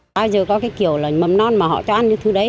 bao giờ có cái kiểu là mầm non mà họ cho ăn như thứ đấy